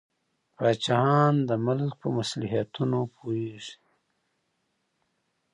د پاچاهانو د ملک مصلحتونه پوهیږي.